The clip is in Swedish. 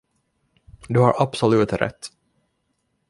Du har absolut rätt.